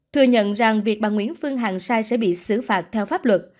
thừa nhận rằng việc bà nguyễn phương hằng sai sẽ bị xử phạt theo pháp luật